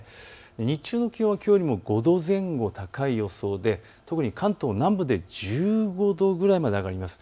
日中の気温はきょうより５度前後高い予想で特に関東南部で１５度ぐらいまで上がります。